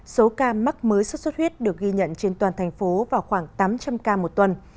số ca mắc mới xuất xuất huyết được ghi nhận trên toàn thành phố vào khoảng tám trăm linh ca một tuần